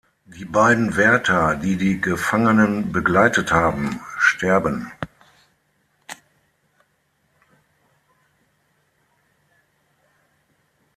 Die beiden Wärter, die die Gefangenen begleitet haben, sterben.